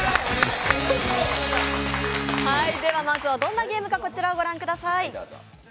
まずはどんなゲームかこちらをご覧ください。